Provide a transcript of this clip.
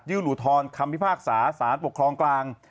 ยื่นหลุทรคำพิพากษาสถานปกครองกลาง